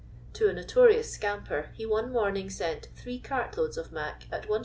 To a notorious " scamper," he one morning sent three cart loads of " mac " at Is.